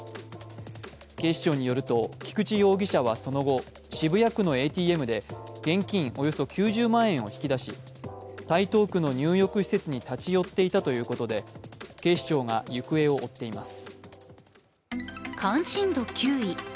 警視庁によると、菊池容疑者はその後、渋谷区のＡＴＭで現金およそ９０万円を引き出し台東区の入浴施設に立ち寄っていたということで、警視庁が行方を追っています。